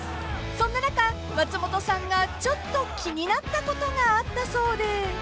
［そんな中松本さんがちょっと気になったことがあったそうで］